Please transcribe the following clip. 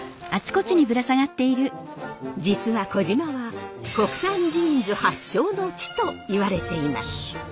実は児島は国産ジーンズ発祥の地といわれています。